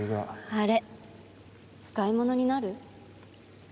あれ使い物になる？